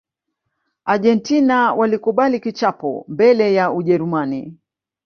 argentina walikubali kichapo mbele ya ujerumani